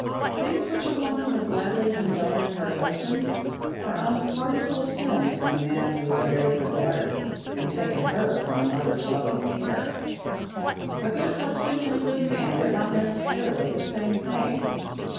Things which a woman would gladly condone in her husband are unpardonable sins in the man who has married her daughter, and taken her from a mother's loving care. A good husband and a good man are not necessarily the same thing.